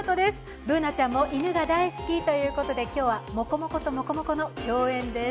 Ｂｏｏｎａちゃんも犬が大好きということで今日はもこもこと、もこもこの共演です。